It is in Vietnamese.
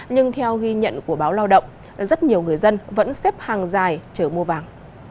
nhưng theo ghi nhận của báo lao động rất nhiều người dân vẫn xếp hàng dài chờ mua vàng